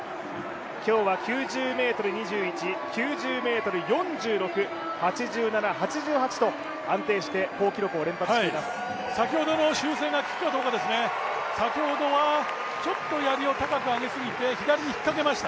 今日は９０ｍ２１、９０ｍ４６、８７、８８と安定して好記録をマークしています。